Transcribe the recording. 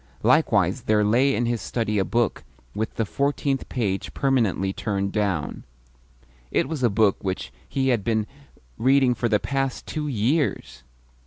Likewise there lay in his study a book with the fourteenth page permanently turned down. It was a book which he had been reading for the past two years!